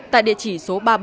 tại địa chỉ số ba mươi bảy